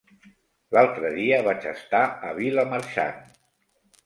L'altre dia vaig estar a Vilamarxant.